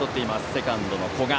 セカンドの古賀。